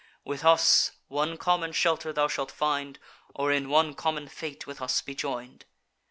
With us, one common shelter thou shalt find, Or in one common fate with us be join'd.